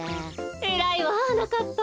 えらいわはなかっぱ。